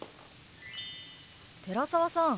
寺澤さん